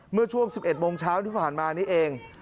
เมื่อช่วง๑๑โมงเช้าที่ผ่านมานี้เอง